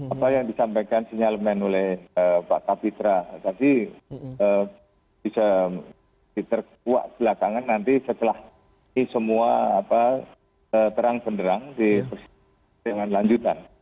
apa yang disampaikan sinyalmen oleh pak kapitra tadi bisa diterkuak belakangan nanti setelah ini semua terang benderang dengan lanjutan